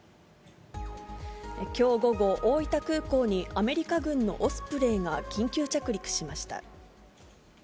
きょう午後、大分空港にアメリカ軍のオスプレイが緊急着陸しました。